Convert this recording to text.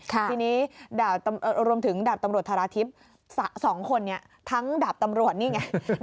ทีนี้รวมถึงดาบตำรวจธาราทิพย์๒คนนี้ทั้งดาบตำรวจนี่ไง